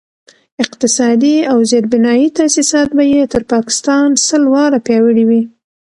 اقتصادي او زیربنایي تاسیسات به یې تر پاکستان سل واره پیاوړي وي.